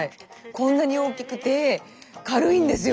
こんなに大きくて軽いんですよ。